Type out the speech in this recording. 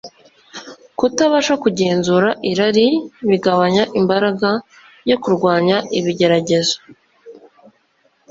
kutabasha kugenzura irari bigabanya imbaraga yo kurwanya ibigeragezo